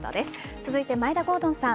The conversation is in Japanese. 続いて眞栄田郷敦さん。